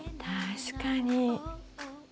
確かに。